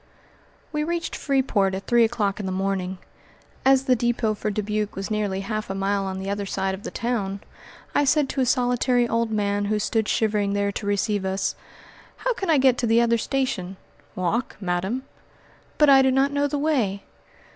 We reached Freeport at three o'clock in the morning. As the depot for Dubuque was nearly half a mile on the other side of the town, I said to a solitary old man who stood shivering there to receive us, "How can I get to the other station?" "Walk, madam." "But I do not know the way."